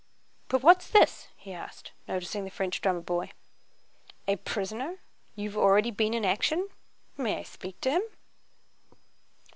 But what's this?" he asked, noticing the French drummer boy. "A prisoner? You've already been in action? May I speak to him?"